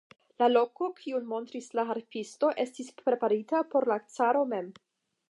La loko, kiun montris la harpisto, estis preparita por la caro mem.